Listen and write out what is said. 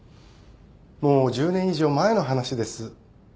もう１０年以上前の話です。